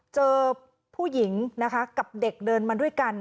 เจอผู้หญิงนะคะกับเด็กเดินมาด้วยกัน